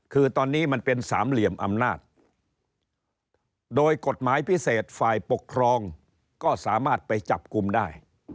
คือตอนนี้มันเป็นสามเหลี่ยมอำนาจโดยกฎหมายพิเศษฝ่ายปกครองก็สามารถไปจับกลุ่มได้